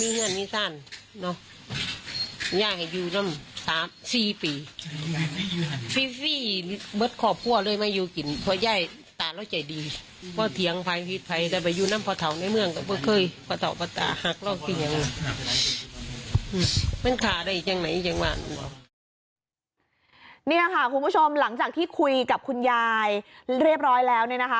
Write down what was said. นี่ค่ะคุณผู้ชมหลังจากที่คุยกับคุณยายเรียบร้อยแล้วเนี่ยนะคะ